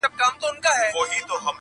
بیرته یوسه خپل راوړي سوغاتونه-